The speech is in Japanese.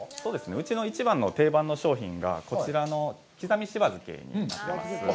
うちの一番の定番の商品がこちらの刻みしば漬けになっています。